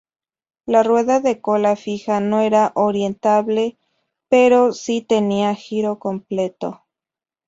La rueda de cola fija no era orientable pero si tenía giro completo.